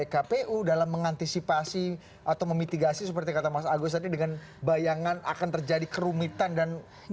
kpu dalam mengantisipasi atau memitigasi seperti kata mas agus tadi dengan bayangan akan terjadi kerumitan dan